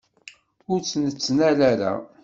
Ur tt-nettnal ara.